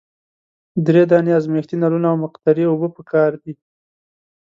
دری دانې ازمیښتي نلونه او مقطرې اوبه پکار دي.